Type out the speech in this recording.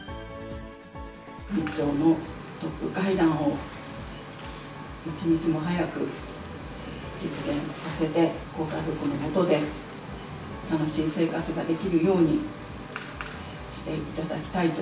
日朝のトップ会談を一日も早く実現させて、ご家族のもとで楽しい生活ができるようにしていただきたいと。